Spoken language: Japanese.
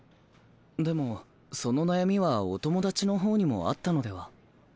でもその悩みはお友達のほうにもあったのでは？